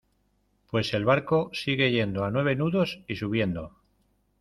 pues el barco sigue yendo a nueve nudos y subiendo.